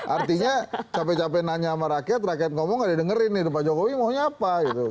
artinya capek capek nanya sama rakyat rakyat ngomong gak didengerin nih pak jokowi maunya apa gitu